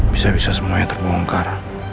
bisa bisa semuanya terbongkar